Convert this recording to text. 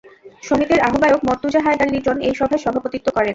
সমিতির আহ্বায়ক মর্তুজা হায়দার লিটন এই সভায় সভাপতিত্ব করেন।